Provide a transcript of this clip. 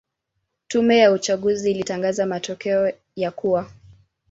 Tume ya uchaguzi ilitangaza matokeo ya kuwa